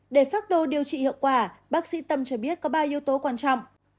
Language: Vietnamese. để phác đồ điều trị hiệu quả bác sĩ tâm cho biết có ba yếu tố quan trọng